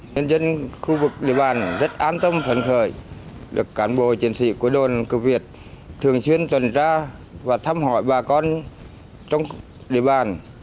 nhân dân khu vực địa bàn rất an tâm thần khởi được cán bộ chiến sĩ của đồn cửa việt thường xuyên tuần tra và thăm hỏi bà con trong địa bàn